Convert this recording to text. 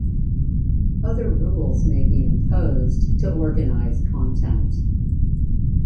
Other rules may be imposed to organize content.